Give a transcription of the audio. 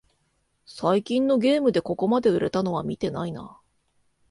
最近のゲームでここまで売れたのは見てないな